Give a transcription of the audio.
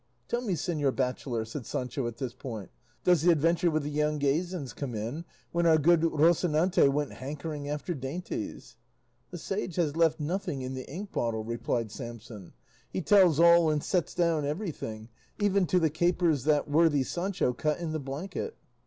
"Tell me, señor bachelor," said Sancho at this point, "does the adventure with the Yanguesans come in, when our good Rocinante went hankering after dainties?" "The sage has left nothing in the ink bottle," replied Samson; "he tells all and sets down everything, even to the capers that worthy Sancho cut in the blanket."